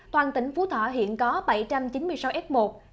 toàn tỉnh phú thọ hiện có bảy trăm chín mươi sáu f một